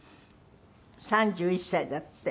３１歳だって。